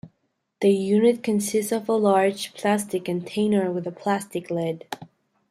The unit consists of a large plastic container with a plastic lid.